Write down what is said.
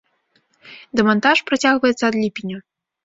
Дэмантаж працягваецца ад ліпеня.